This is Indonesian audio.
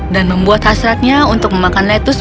dan membuat hasratnya untuk memakan lettuce